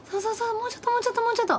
もうちょっともうちょっともうちょっと！